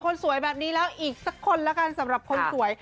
คนสวยแบบนี้แล้วอีกสักคนแล้วกันสำหรับคนสวย